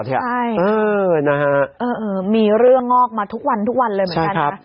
ใช่มีเรื่องงอกมาทุกวันเลยเหมือนกันนะ